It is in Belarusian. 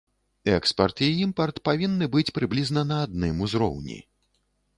Экспарт і імпарт павінны быць прыблізна на адным узроўні.